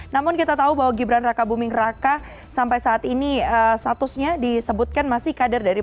namun kita tahu bahwa gibran raka buming raka sampai saat ini statusnya disebutkan masih kader dari p tiga